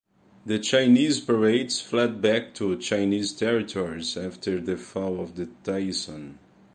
The Chinese pirates fled back to Chinese territories after the fall of the Tayson.